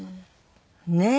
ねえ！